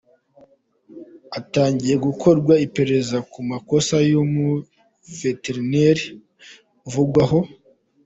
Hatangiye gukorwa iperereza ku makosa uyu muveterineri avugwaho.